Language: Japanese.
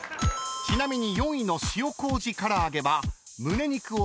［ちなみに］